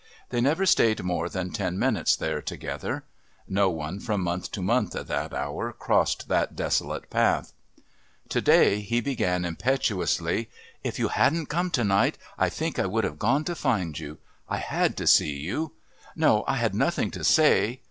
They never stayed more than ten minutes there together. No one from month to month at that hour crossed that desolate path. To day he began impetuously. "If you hadn't come to night, I think I would have gone to find you. I had to see you. No, I had nothing to say.